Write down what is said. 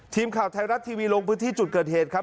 ทีมข่าวไทยรัฐทีวีลงพื้นที่จุดเกิดเหตุครับ